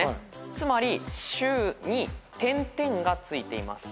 つまり「週」に点々が付いています。